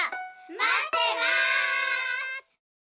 まってます！